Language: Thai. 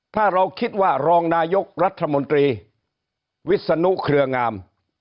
ถ้าเราคิดว่ารองนายกรัฐมนตรีวิศนุเครืองาม